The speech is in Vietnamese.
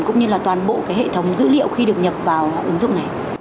cũng như là toàn bộ hệ thống dữ liệu khi được nhập vào ứng dụng này